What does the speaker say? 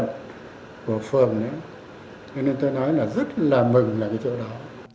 nên tôi nói là rất là mừng là cái chỗ đó